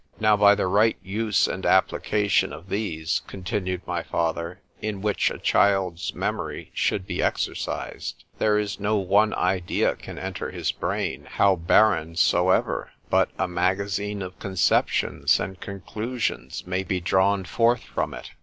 _ Now, by the right use and application of these, continued my father, in which a child's memory should be exercised, there is no one idea can enter his brain, how barren soever, but a magazine of conceptions and conclusions may be drawn forth from it.